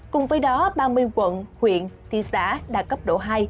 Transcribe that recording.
cùng với đó ba mươi quận huyện thị xã đã cấp độ dịch